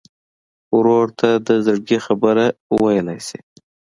ورور ته د زړګي خبره ویلی شې.